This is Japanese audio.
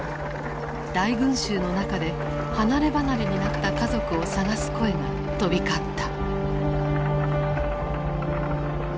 大群衆の中で離れ離れになった家族を捜す声が飛び交った。